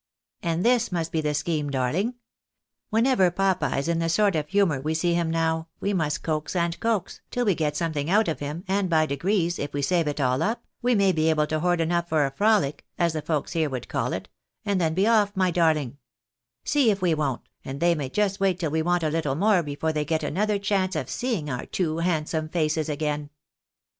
And this must be the scheme, darling. Whenever papa is in the sort of humour we see him now, we must coax and coax, tiU we get something out of him, and by degrees, if we save it all up, we may be able to hoard enough for a frolic, as the folks here would call it, and then be off, my darling ; see if we won't, and they may just wait till we want a httle more before they get another chance of seeing our two handsome faces again."